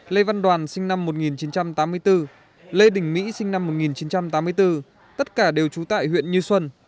lê văn đoàn sinh năm một nghìn chín trăm tám mươi bốn lê đình mỹ sinh năm một nghìn chín trăm tám mươi bốn tất cả đều trú tại huyện như xuân